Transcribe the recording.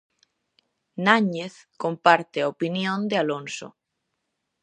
Náñez comparte a opinión de Alonso.